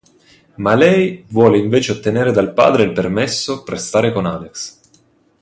Ma lei vuole invece ottenere dal padre il permesso per stare con Alex.